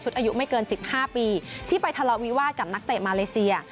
อายุไม่เกิน๑๕ปีที่ไปทะเลาะวิวาสกับนักเตะมาเลเซีย